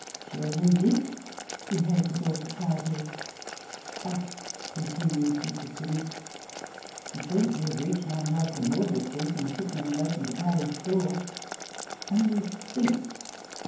Sheridan did behave with all propriety :" but," continued Mrs. Siddons, " as soon as we had reached my house in Marl borough Street, and the footman had opened the K 146 RECOLLECTIONS OF THE carriage door only think